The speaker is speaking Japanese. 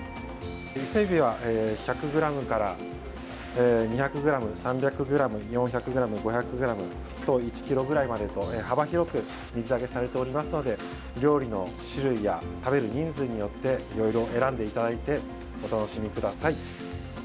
伊勢海老は１００ｇから２００ｇ３００ｇ、４００ｇ、５００ｇと１ｋｇぐらいまでと幅広く水揚げされておりますので料理の種類や食べる人数によっていろいろ選んでいただいてお楽しみください。